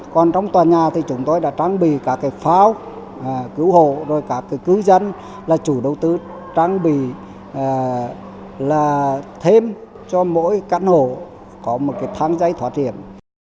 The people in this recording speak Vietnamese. còn trong tòa nhà thì chúng tôi đã trang bị cả cái pháo cứu hộ rồi cả cái cư dân là chủ đầu tư trang bị là thêm cho mỗi căn hộ có một cái thang giấy thỏa triển